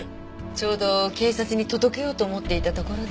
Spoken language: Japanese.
ちょうど警察に届けようと思っていたところで。